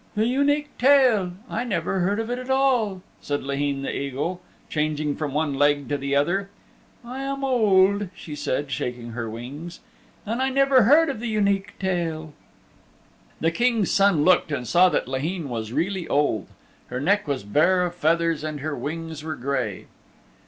"The Unique Tale I never heard of it at all," said Laheen the Eagle, changing from one leg to the other. "I am old," she said, shaking her wings, "and I never heard of the Unique Tale." The King's Son looked and saw that Laheen was really old. Her neck was bare of feathers and her wings were gray.